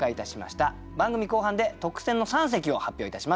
番組後半で特選の三席を発表いたします。